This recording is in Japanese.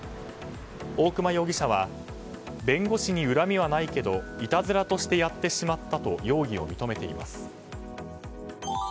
大熊容疑者は弁護士に恨みはないけどいたずらとしてやってしまったと容疑を認めています。